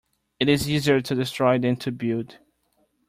It is easier to destroy than to build.